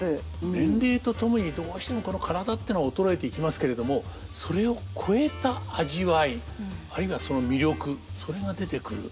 年齢とともにどうしてもこの体ってのは衰えていきますけれどもそれを超えた味わいあるいはその魅力それが出てくる。